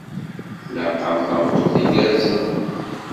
Tlaq-am tameṭṭut igerrzen.